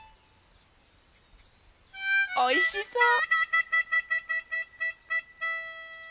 おいしそう！